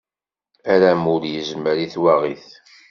Aramul yezmer i twaɣit.